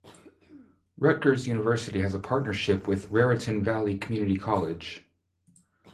Rutgers University has a partnership with Raritan Valley Community College.